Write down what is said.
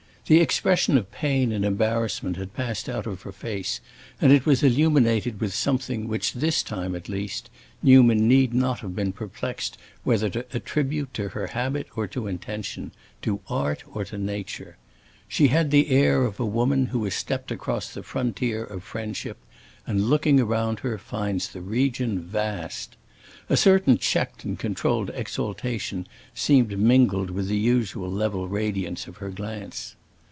The expression of pain and embarrassment had passed out of her face, and it was illuminated with something which, this time at least, Newman need not have been perplexed whether to attribute to habit or to intention, to art or to nature. She had the air of a woman who has stepped across the frontier of friendship and, looking around her, finds the region vast. A certain checked and controlled exaltation seemed mingled with the usual level radiance of her glance.